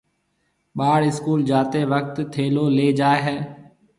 ٻاݪ اسڪول جاتيَ وقت ٿيلو ليَ جائي هيَ۔